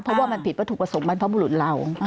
เพราะว่ามันผิดว่าถูกประสงค์มันเพราะมหลุดเรา